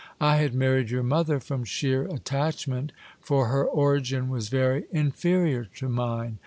I had married your mother from sheer attach ment, for her origin was very inferior to mine.